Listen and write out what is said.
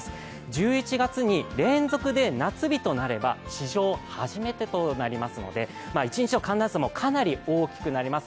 １１月に連続で夏日となれば史上初めてとなりますので、一日の寒暖差もかなり大きくなります。